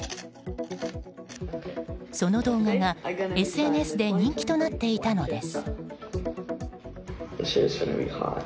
その動画がＳＮＳで人気となっていたのです。